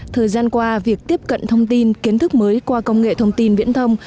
thời gian qua việc tiếp cận thông tin kiến thức mới qua công nghệ thông tin viễn thông